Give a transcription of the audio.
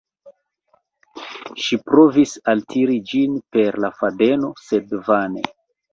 Ŝi provis altiri ĝin per la fadeno, sed vane.